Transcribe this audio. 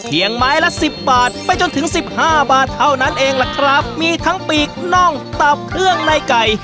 ไม้ละสิบบาทไปจนถึงสิบห้าบาทเท่านั้นเองล่ะครับมีทั้งปีกน่องตับเครื่องในไก่